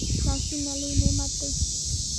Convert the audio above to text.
لاسونه لوي نعمت دی